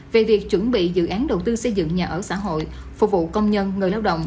về việc chuẩn bị dự án đầu tư xây dựng nhà ở xã hội phục vụ công nhân người lao động